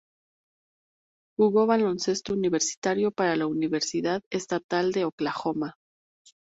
Jugó baloncesto universitario para la Universidad Estatal de Oklahoma.